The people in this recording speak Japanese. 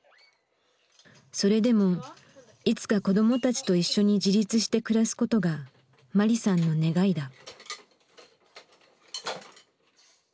それでもいつか子どもたちと一緒に自立して暮らすことがマリさんの願いだ。